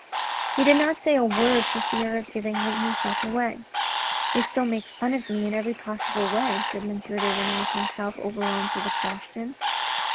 He did not say a word for fear of giving himself away. " They still make fun of me in every possible way," said M. de Renal to himself, overwhelmed with exhaustion.